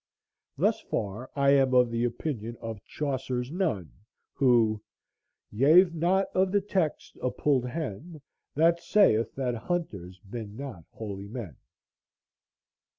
Thus far I am of the opinion of Chaucer's nun, who "yave not of the text a pulled hen That saith that hunters ben not holy men."